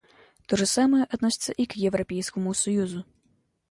То же самое относится и к Европейскому союзу.